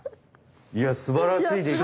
いやすばらしいできよ。